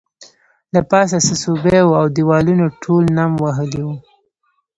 له پاسه څڅوبی وو او دیوالونه ټول نم وهلي وو